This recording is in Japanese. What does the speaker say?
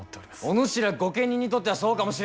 おぬしら御家人にとってはそうかもしれない。